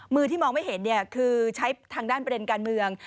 มือที่มองไม่เห็นคือใช้ทางด้านประเด็นการเมือง